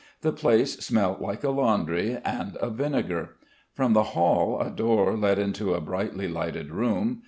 The place smelt like a laundry, and of vinegar. From the hall a door led into a brightly lighted room.